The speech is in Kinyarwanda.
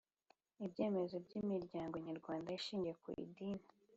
Ibyemezo by Imiryango nyarwanda ishingiye ku idini